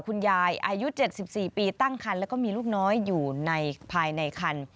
อายุ๗๔ปีตั้งคันแล้วก็มีลูกน้อยอยู่ภายในคัน